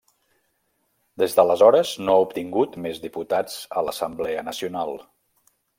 Des d'aleshores no ha obtingut més diputats a l'Assemblea Nacional.